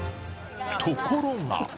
ところが。